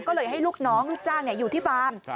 ก็เลยให้ลูกน้องลูกจ้างอยู่ที่ฟาร์ม